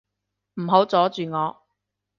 唔好阻住我